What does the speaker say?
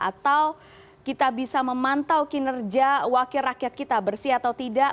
atau kita bisa memantau kinerja wakil rakyat kita bersih atau tidak